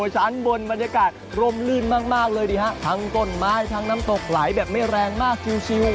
ชั้นบนบรรยากาศร่มลื่นมากมากเลยดีฮะทั้งต้นไม้ทั้งน้ำตกไหลแบบไม่แรงมากชิว